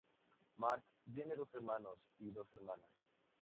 Mark tiene dos hermanos y dos hermanas.